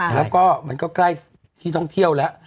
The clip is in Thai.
แล้วก็มันก็ใกล้ที่ท่องเที่ยวแล้ว